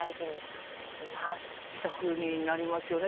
自宅になりますよね